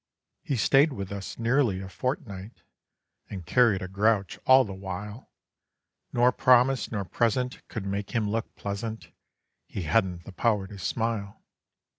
He stayed with us nearly a fortnight And carried a grouch all the while, Nor promise nor present could make him look pleasant; He hadn't the power to smile.